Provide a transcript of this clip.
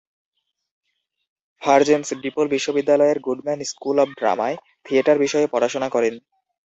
ফারজেনস DePaul বিশ্ববিদ্যালয়ের Goodman school of ড্রামায় theatre বিষয়ে পড়াশোনা করেন।